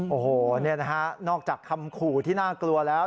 โอ้โหนี่นะฮะนอกจากคำขู่ที่น่ากลัวแล้ว